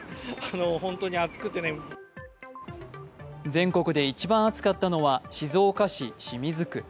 全国で一番暑かったのは静岡市清水区。